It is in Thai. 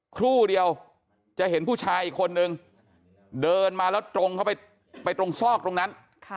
ครู่เดียวจะเห็นผู้ชายอีกคนนึงเดินมาแล้วตรงเข้าไปตรงซอกตรงนั้น